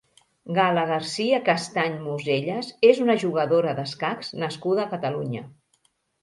Gal·la Garcia-Castany Musellas és una jugadora d'escacs nascuda a Catalunya.